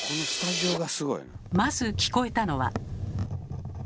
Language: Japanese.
まず聞こえたのは。